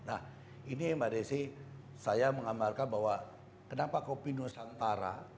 nah ini mbak desi saya menggambarkan bahwa kenapa kopi nusantara